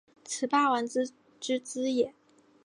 此霸王之资也。